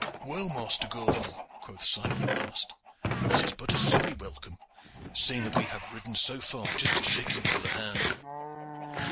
'Well, Master Gourval,' quoth Simon at last, 'this is but a sorry welcome, seeing that we have ridden so far just to shake you by the hand.'